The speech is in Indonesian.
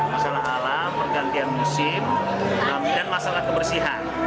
masalah alam pergantian musim dan masalah kebersihan